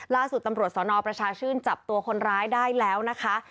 ล่าสุดตำรวจสนประชาชื่นจับตัวคนร้ายได้แล้วนะคะ